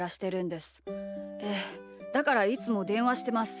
でだからいつもでんわしてます。